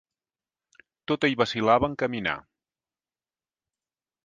Tot ell vacil·lava en caminar.